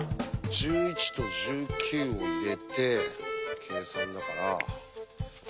１１と１９を入れて計算だから。